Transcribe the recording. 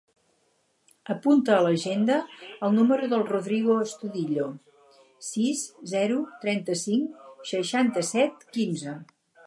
Apunta a l'agenda el número del Rodrigo Estudillo: sis, zero, trenta-cinc, seixanta-set, quinze.